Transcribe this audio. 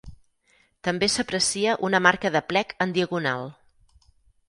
També s'aprecia una marca de plec en diagonal.